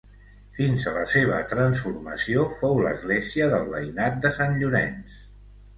Fins a la seva transformació fou l'església del veïnat de Sant Llorenç.